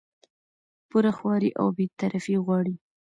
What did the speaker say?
پوره خواري او بې طرفي غواړي